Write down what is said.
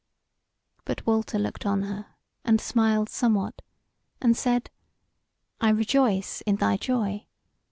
But Walter looked on her, and smiled somewhat; and said: "I rejoice in thy joy.